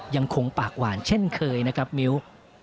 ยังคงปากหวานเช่นเคยนะครับมิ้ว